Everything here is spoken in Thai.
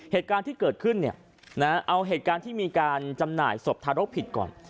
เหตุการณ์ที่เกิดขึ้นเนี่ยนะเอาเหตุการณ์ที่มีการจำหน่ายศพทารกผิดก่อน